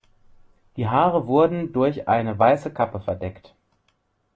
Die Haare wurden durch eine weiße Kappe verdeckt.